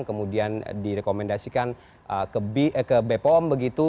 kemudian direkomendasikan ke bepom begitu